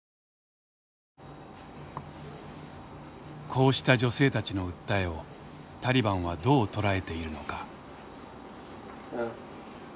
こうした女性たちの訴えをタリバンはどう捉えているのか。